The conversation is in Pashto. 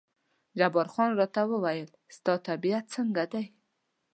جبار خان راته وویل ستا طبیعت څنګه دی؟